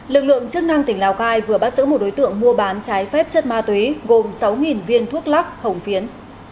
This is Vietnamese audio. lực lượng chức năng tỉnh lào cai vừa bắt giữ một đối tượng mua bán trái phép chất ma túy gồm sáu viên thuốc lắc hồng phiến